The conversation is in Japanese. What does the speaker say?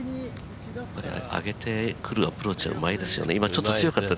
曲げてくるアプローチはうまいですよね。